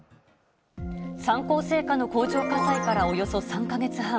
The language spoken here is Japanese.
三幸製菓の工場火災からおよそ３か月半。